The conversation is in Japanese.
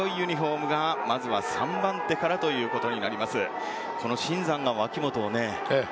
新山、今日は黄色いユニホーム、まずは３番手からということになります。